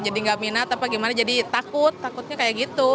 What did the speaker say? jadi nggak minat apa gimana jadi takut takutnya kayak gitu